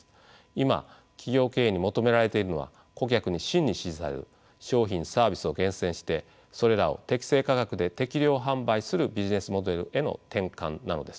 今企業経営に求められているのは顧客に真に支持される商品サービスを厳選してそれらを適正価格で適量販売するビジネスモデルへの転換なのです。